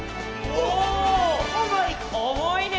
おもいね。